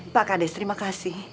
pak kandis terima kasih